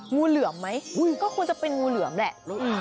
งูเหลือมไหมก็ควรจะเป็นงูเหลือมแหละ